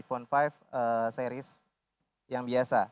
ini berbeda dari rog phone lima series yang biasa